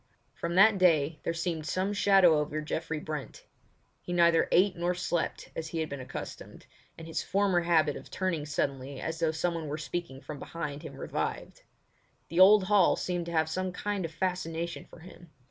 From that day there seemed some shadow over Geoffrey Brent. He neither ate nor slept as he had been accustomed, and his former habit of turning suddenly as though someone were speaking from behind him revived. The old hall seemed to have some kind of fascination for him.